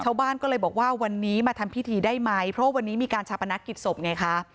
ชาวบ้านก็เลยบอกว่าวันนี้มาทำพิธีได้ไหมเพราะวันนี้มีการชาปนักกิจศพไงคะ